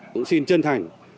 cũng xin chân thành